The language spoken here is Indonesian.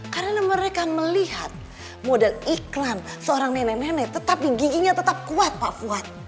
karena mereka melihat model iklan seorang nenek nenek tetapi giginya tetap kuat pak fuad